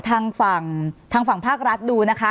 ทางฝั่งภาครัฐดูนะคะ